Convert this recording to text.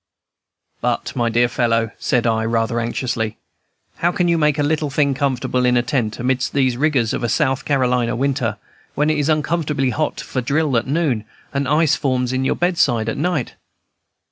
"But, my dear fellow," said I, rather anxiously, "how can you make the little thing comfortable in a tent, amidst these rigors of a South Carolina winter, when it is uncomfortably hot for drill at noon, and ice forms by your bedside at night?"